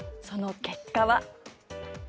その結果は。